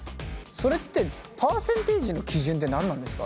それってパーセンテージの基準って何なんですか？